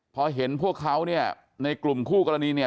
พอเห็นพวกเขาเนี่ยในกลุ่มคู่กรณีเนี่ย